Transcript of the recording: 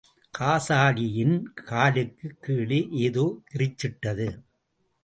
காசாலியின் காலுக்குக் கீழே, ஏதோ கிரீச்சிட்டது.